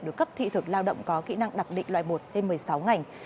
được cấp thị thực lao động có kỹ năng đặc định loại một trên một mươi sáu ngành